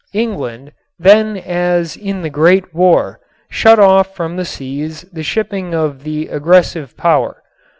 England, then as in the Great War, shut off from the seas the shipping of the aggressive power.